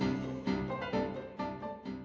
อืม